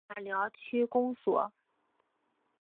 大寮区公所